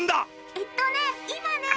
☎えっとね今ねえ。